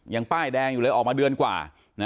ป้ายแดงอยู่เลยออกมาเดือนกว่า